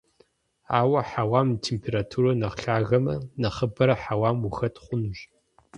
Ауэ хьэуам и температурэр нэхъ лъагэмэ, нэхъыбэрэ хьэуам ухэт хъунущ.